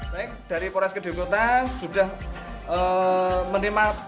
baik dari polresta kediri jawa timur sudah menerima